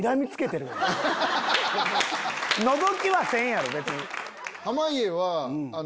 のぞきはせんやろ別に。